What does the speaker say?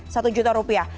satu juta rupiah